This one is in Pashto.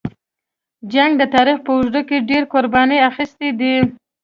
جنګ د تاریخ په اوږدو کې ډېرې قربانۍ اخیستې دي.